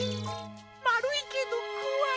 まるいけどこわい。